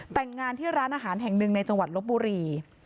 แต่งงานที่ร้านอาหารแห่งหนึ่งในจังหวัดลบบุรี